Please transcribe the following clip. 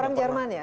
orang jerman ya